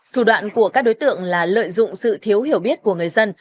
thủ đoạn của các đối tượng là lợi dụng sự thiếu hiểu biết của người dân